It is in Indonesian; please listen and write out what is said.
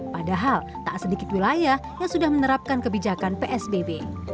padahal tak sedikit wilayah yang sudah menerapkan kebijakan psbb